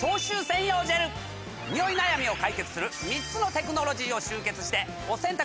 ニオイ悩みを解決する３つのテクノロジーを集結してお洗濯の。